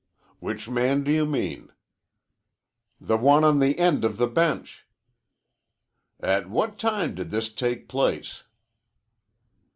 "Which man do you mean?" "The one on the end of the bench." "At what time did this take place?"